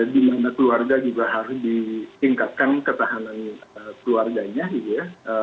di mana keluarga juga harus ditingkatkan ketahanan keluarganya gitu ya